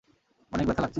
অনেক ব্যথা লাগছে।